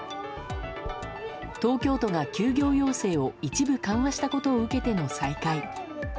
東京都が休業要請を一部緩和したことを受けての再開。